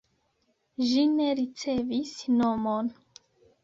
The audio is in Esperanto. Ĝi ne ricevis nomon.